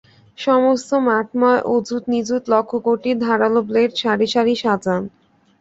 সমস্ত মাঠময় অযুত নিযুত লক্ষ কোটি ধারাল ব্লেড সারি-সারি সাজান।